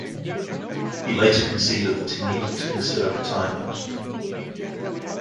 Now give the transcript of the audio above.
He later conceded that he needed to consider retirement.